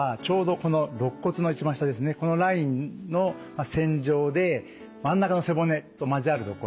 このラインの線状で真ん中の背骨と交わる所